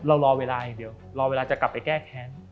รอเวลาอย่างเดียวรอเวลาจะกลับไปแก้แค้น